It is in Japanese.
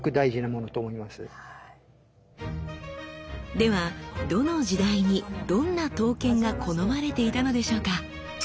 ではどの時代にどんな刀剣が好まれていたのでしょうか？